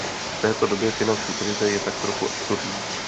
V této době finanční krize je tak trochu absurdní.